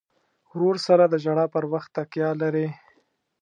ورور سره د ژړا پر وخت تکیه لرې.